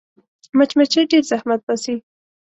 مچمچۍ ډېر زحمت باسي